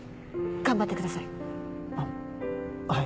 頑張ってください。